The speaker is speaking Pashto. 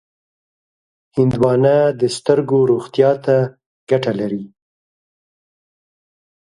هندوانه د سترګو روغتیا ته ګټه لري.